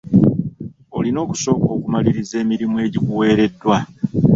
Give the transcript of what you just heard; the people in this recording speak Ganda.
Olina okusooka okumaliriza emirimu egikuweereddwa.